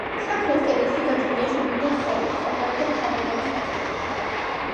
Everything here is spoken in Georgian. სამხრეთის კედელში გაჭრილია შიგნიდან სწორკუთხა, გარედან თაღოვანი სარკმელი.